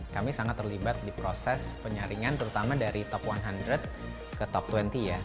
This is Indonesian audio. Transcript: kami sangat terlibat di proses penyaringan terutama dari top satu ratus ke top dua puluh ya